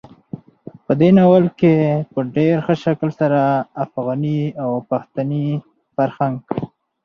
په دې ناول کې په ډېر ښه شکل سره افغاني او پښتني فرهنګ,